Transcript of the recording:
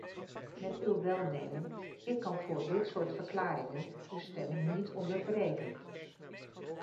Met uw welnemen, ik kan voor dit soort verklaringen de stemming niet onderbreken.